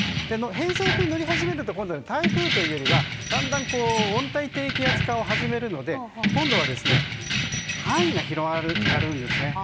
偏西風に乗り始めると今度は台風というよりは温帯低気圧化を始めるので今度は範囲が広がるんですね。